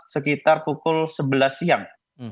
sekitar pukul sebelas siang